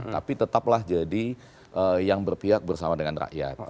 tapi tetaplah jadi yang berpihak bersama dengan rakyat